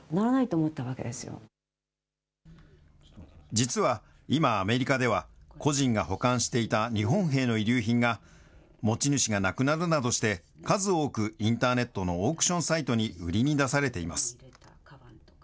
実は今、アメリカでは、個人が保管していた日本兵の遺留品が持ち主が亡くなるなどして、数多くインターネットのオークションサイトに売りに出されています。